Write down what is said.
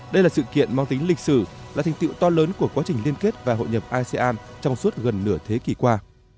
đây là sự kiện mang tính lịch sử là thành tiệu to lớn của quá trình liên kết và hội nhập asean trong suốt gần nửa thế kỷ qua